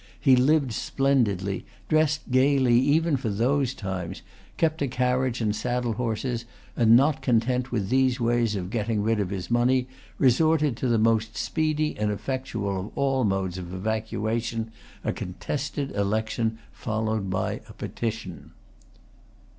He lived splendidly, dressed gaily even for those times, kept a carriage and saddle horses, and, not content with these ways of getting rid of his money, resorted to the most speedy and effectual of all modes of evacuation, a contested election followed by a petition.